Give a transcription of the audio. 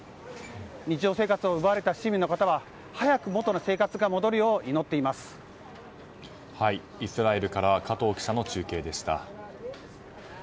日常生活を奪われた市民の方は早く元の生活が戻るようイスラエルから加藤記者の中継でした。